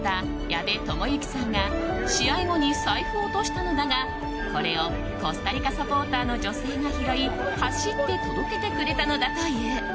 矢部智之さんが試合後に財布を落としたのだがそれをコスタリカサポーターの女性が拾い走って届けてくれたのだという。